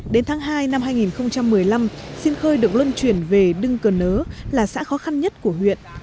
đến tháng hai năm hai nghìn một mươi năm sinh khơi được luân chuyển về đưng cờ nớ là xã khó khăn nhất của huyện